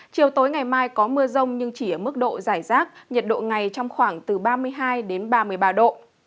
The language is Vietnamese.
chiều tối ngày mai có mưa rông nhưng chỉ ở mức độ giải rác nhiệt độ ngày trong khoảng từ ba mươi hai đến ba mươi ba độ